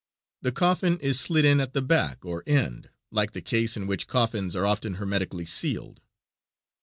The coffin is slid in at the back or end like the case in which coffins are often hermetically scaled.